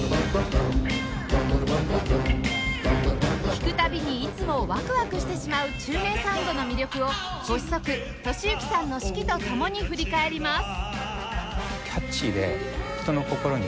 聴く度にいつもワクワクしてしまう宙明サウンドの魅力をご子息俊幸さんの指揮と共に振り返ります